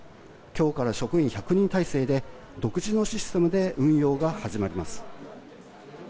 今日から、職員１００人態勢で独自のシステムで運用が始まります。